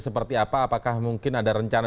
seperti apa apakah mungkin ada rencana